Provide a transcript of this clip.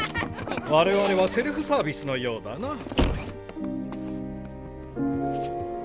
我々はセルフサービスのようだな。